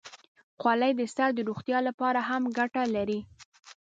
خولۍ د سر د روغتیا لپاره هم ګټه لري.